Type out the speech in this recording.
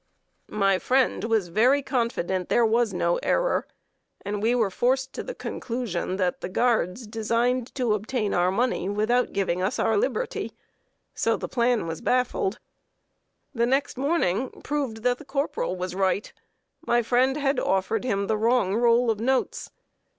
My friend was very confident there was no error; and we were forced to the conclusion that the guards designed to obtain our money without giving us our liberty. So the plan was baffled. The next morning proved that the corporal was right. My friend had offered him the wrong roll of notes.